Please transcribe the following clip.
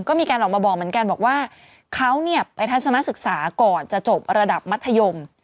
ก็มีการออกมาบอกเหมือนกันบอกว่าเขาเนี่ยไปทัศนศึกษาก่อนจะจบระดับมัธยม